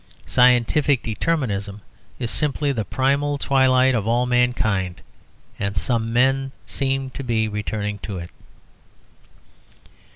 Scientific determinism is simply the primal twilight of all mankind; and some men seem to be returning to it.